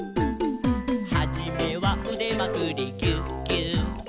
「はじめはうでまくりギューギュー」